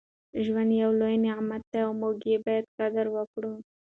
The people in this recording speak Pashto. ژوند یو لوی نعمت دی او موږ یې باید قدر وکړو.